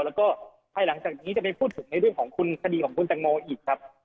แล้วก็ภายหลังจากนี้จะไปพูดถึงในเรื่องของคุณคดีของคุณตังโมอีกครับ